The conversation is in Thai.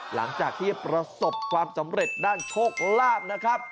หลังจากที่ประสบความสำเร็จด้านโชคลาภนะครับ